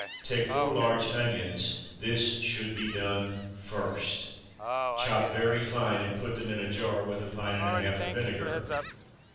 Take four large onions (this should be done first), chop very fine, and put them in a jar with a pint and a half of vinegar.